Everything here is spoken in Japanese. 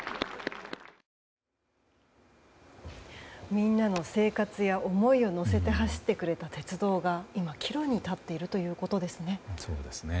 みんなの生活や思いを乗せて走ってくれた鉄道が今、岐路に立っているということですね。